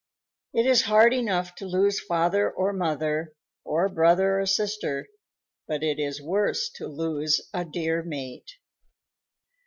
It is hard enough to lose father or mother or brother or sister, but it is worse to lose a dear mate."